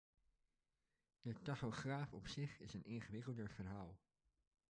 De tachograaf op zich is een ingewikkelder verhaal.